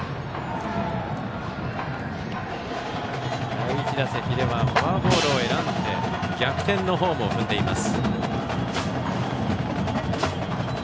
第１打席ではフォアボールを選んで逆転のホームを踏んでいます。